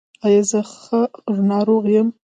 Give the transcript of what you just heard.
ایا زه ښه ناروغ یم؟